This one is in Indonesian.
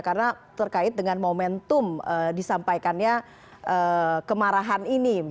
karena terkait dengan momentum disampaikannya kemarahan ini